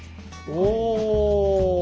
おお！